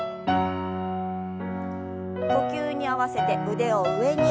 呼吸に合わせて腕を上に。